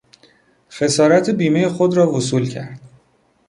خسارت بیمهی خود را وصول کرد.